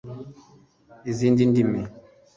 izindi ndimi